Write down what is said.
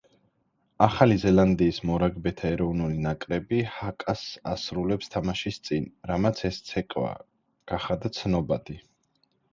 ახალი ზელანდიის მორაგბეთა ეროვნული ნაკრები ჰაკას ასრულებს თამაშის წინ, რამაც ეს ცეკვა გახადა ცნობადი.